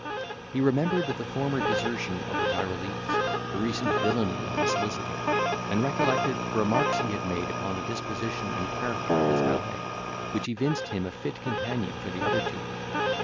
He remembered the former desertion of the Tyrolese, the recent villany of the solicitor, and recollected the remarks he had made upon the disposition and character of his valet, which evinced him a fit companion for the other two.